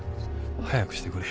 早くしてくれよ。